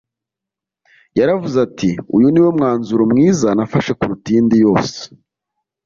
yaravuze ati “uyu ni wo mwanzuro mwiza nafashe kuruta iyindi yose